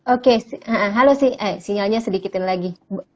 oke halo sini sinyalnya sedikit lagi